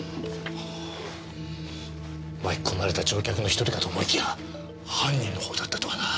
巻き込まれた乗客の１人かと思いきや犯人のほうだったとはなぁ。